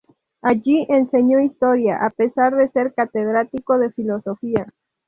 Allí enseñó Historia, a pesar de ser catedrático de Filosofía.